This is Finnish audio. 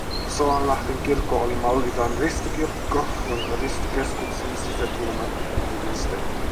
Soanlahden kirkko oli malliltaan ristikirkko, jonka ristikeskuksen sisäkulmat oli viistetty